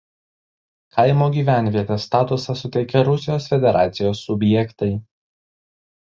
Kaimo gyvenvietės statusą suteikia Rusijos Federacijos subjektai.